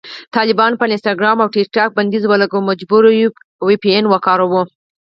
طالبانو په انسټاګرام او ټیکټاک بندیز ولګاوو، مجبور یو وي پي این وکاروو